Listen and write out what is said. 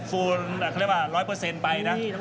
ฟูนเขาเรียกว่า๑๐๐ไปนะ